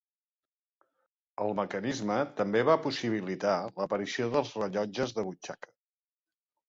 El mecanisme també va possibilitar l'aparició dels rellotges de butxaca.